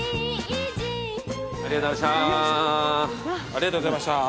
ありがとうございましたー。